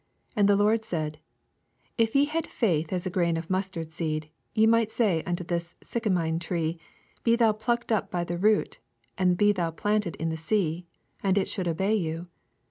6 And the Lord Baid, If ye had faith as a grain of mustard seed, ye might Bay unto this sycamine tree. Be thou plucked up bv the root, ana be thou planted in the sea; and it should obey vou.